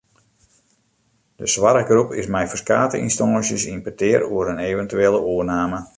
De soarchgroep is mei ferskate ynstânsjes yn petear oer in eventuele oername.